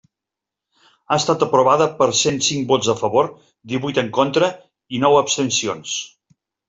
Ha estat aprovada per cent cinc vots a favor, divuit en contra i nou abstencions.